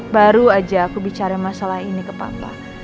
baru aja aku bicara masalah ini ke papa